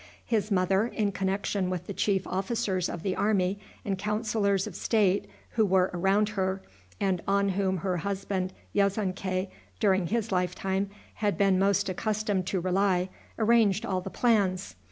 His mother, in connection with the chief officers of the army and counselors of state who were around her, and on whom her husband Yezonkai, during his lifetime, had been most accustomed to rely, arranged all the plans.